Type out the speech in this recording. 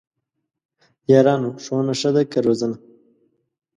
یارانو ! ښوونه ښه ده که روزنه؟!